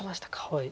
はい。